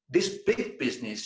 bisnis besar ini